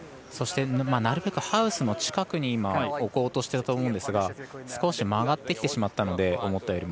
なるべくハウスの近くに置こうとしてたと思うんですが少し曲がってきてしまったので。